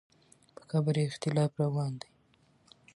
په قبر یې اختلاف روان دی.